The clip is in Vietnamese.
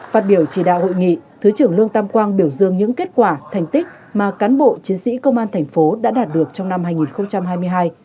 phát biểu chỉ đạo hội nghị thứ trưởng lương tam quang biểu dương những kết quả thành tích mà cán bộ chiến sĩ công an thành phố đã đạt được trong năm hai nghìn hai mươi hai